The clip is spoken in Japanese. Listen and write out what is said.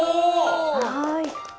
はい。